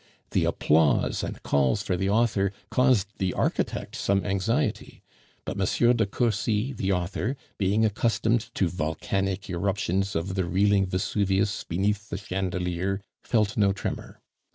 The applause and calls for the author caused the architect some anxiety; but M. de Cursy, the author, being accustomed to volcanic eruptions of the reeling Vesuvius beneath the chandelier, felt no tremor.